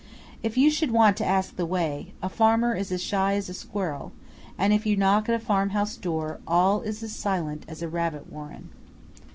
If you should want to ask the way, a farmer is as shy as a squirrel, and if you knock at a farm house door, all is as silent as a rabbit warren.